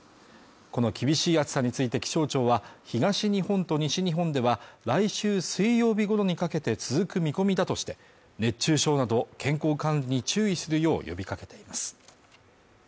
この厳しい暑さについて気象庁は東日本と西日本では来週水曜日ごろにかけて続く見込みだとして熱中症など健康管理に注意するよう呼びかけています